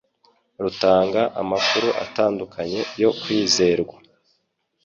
rutanga amakuru atandukanye yo kwizerwa